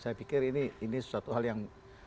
saya pikir ini suatu hal yang